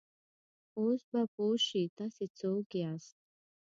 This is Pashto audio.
اوس به پوه شې، تاسې څوک یاست؟